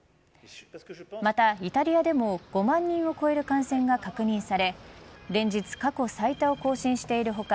また、イタリアでも５万人を超える感染が確認され連日、過去最多を更新している他